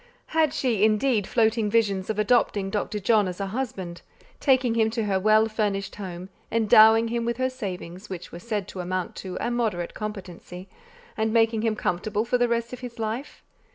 Had she, indeed, floating visions of adopting Dr. John as a husband, taking him to her well furnished home, endowing him with her savings, which were said to amount to a moderate competency, and making him comfortable for the rest of his life?